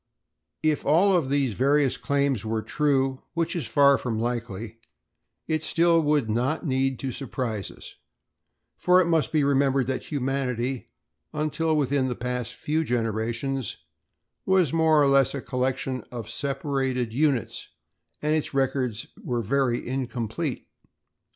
If all of these various claims were true, which is far from likely, it still would not need to surprise us, for it must be remembered that humanity, until within the past few generations, was more or less a collection of separated units and its records were very incomplete.